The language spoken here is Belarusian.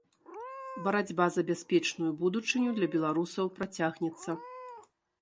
Барацьба за бяспечную будучыню для беларусаў працягнецца.